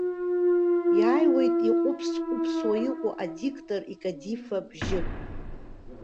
Иааиуеит иҟәыԥс-ҟәыԥсуа иҟоу адиктор икадифа бжьы.